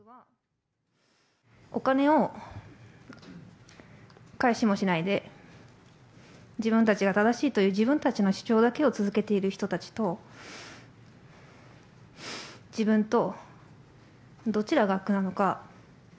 お金を返しもしないで、自分たちが正しいという、自分たちの主張だけを続けている人たちと、自分とどちらが悪なのか。